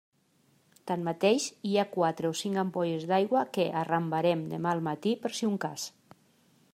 Tanmateix, hi ha quatre o cinc ampolles d'aigua que arrambarem demà al matí, per si un cas.